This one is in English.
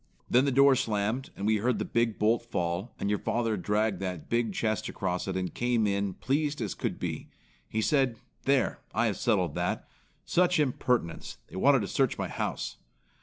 "Then the door slammed, and we heard the big bolt fall, and your father dragged that big chest across it and came in as pleased as could be. He said, 'There, I have settled that! Such impertinence! They wanted to search my house!'